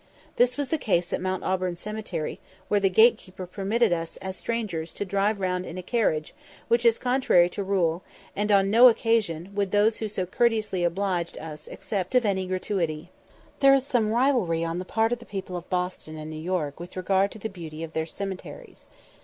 This was the case at the Mount Auburn Cemetery, where the gatekeeper permitted us as strangers to drive round in a carriage, which is contrary to rule, and on no occasion would those who so courteously obliged us accept of any gratuity. There is some rivalry on the part of the people of Boston and New York with regard to the beauty of their cemeteries.